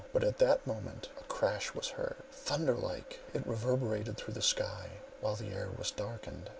But at that moment a crash was heard. Thunderlike it reverberated through the sky, while the air was darkened.